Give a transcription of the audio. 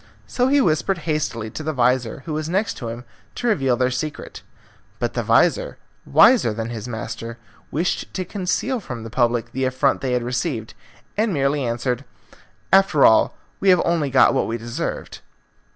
So he whispered hastily to the vizir, who was next to him, to reveal their secret. But the vizir, wiser than his master, wished to conceal from the public the affront they had received, and merely answered, "After all, we have only got what we deserved."